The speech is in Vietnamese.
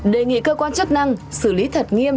đề nghị cơ quan chức năng xử lý thật nghiêm